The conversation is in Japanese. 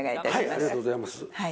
ありがとうございます。